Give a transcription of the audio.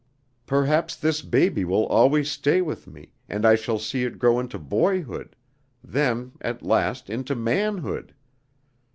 Perhaps this baby will always stay with me, and I shall see it grow into boyhood, then, at last, into manhood.